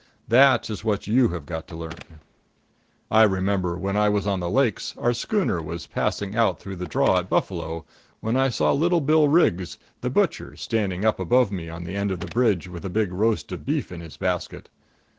That is what you have got to learn. I remember when I was on the Lakes, our schooner was passing out through the draw at Buffalo when I saw little Bill Riggs, the butcher, standing up above me on the end of the bridge with a big roast of beef in his basket.